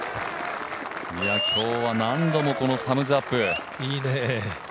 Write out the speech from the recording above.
今日は何度もこのサムズアップ。